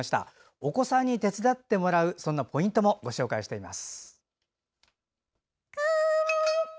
お子さんにもお手伝いしてもらえるポイントもご紹介しています。